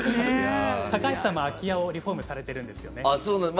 高橋さんも空き家をリフォームされているんですよね。